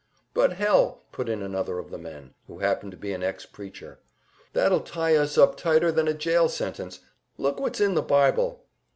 "But hell!" put in another of the men, who happened to be an ex preacher. "That'll tie us up tighter than a jail sentence! Look what's in the Bible!"